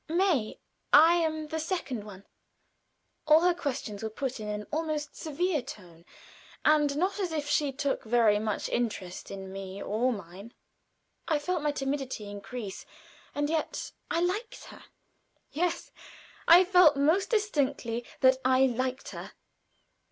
"May; I am the second one." All her questions were put in an almost severe tone, and not as if she took very much interest in me or mine. I felt my timidity increase, and yet I liked her. Yes, I felt most distinctly that I liked her.